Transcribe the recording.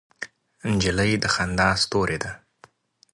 نجلۍ د خندا ستورې ده.